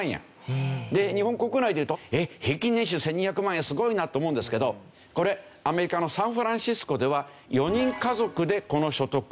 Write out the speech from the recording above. で日本国内でいうと平均年収１２００万円すごいなと思うんですけどこれアメリカのサンフランシスコでは４人家族でこの所得だと低所得者に分類される。